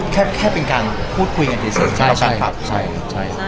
แล้วสามารถมีเองได้ตามธรรมชาติ